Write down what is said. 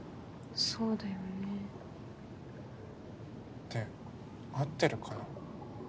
そうだよね。って合ってるかな。